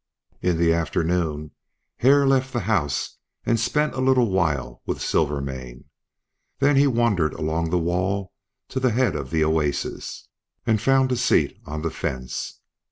In the afternoon Hare left the house and spent a little while with Silvermane; then he wandered along the wall to the head of the oasis, and found a seat on the fence.